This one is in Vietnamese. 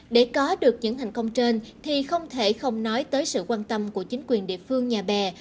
để có được những thành công trên thì không thể không nói tới sự quan tâm của chính quyền địa phương nhà bè